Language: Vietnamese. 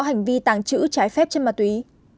hành vi tàng trữ trái phép trên ma túy